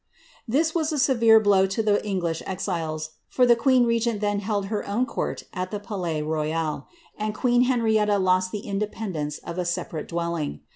^' Tills ris a severe blow to the English exiles, for the queen regent then held er own court at the Palais Royal, and queen Henrietta lost the inde endence of a separate dwelling.